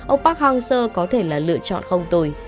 ông park hang seo có thể là lựa chọn không tồi